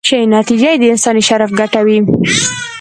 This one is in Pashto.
چې نتیجه یې د انساني شرف ګټه وي.